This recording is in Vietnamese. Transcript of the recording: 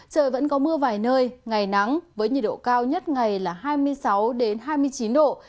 trời vẫn có mưa vài nơi ngày nắng với nhiệt độ cao nhất ngày là hai mươi sáu hai mươi chín độ